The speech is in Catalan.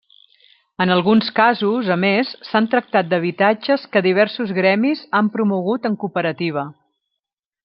En alguns casos, a més, s'han tractat d'habitatges que diversos gremis han promogut en cooperativa.